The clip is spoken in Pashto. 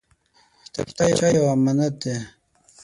کتابچه یو امانت دی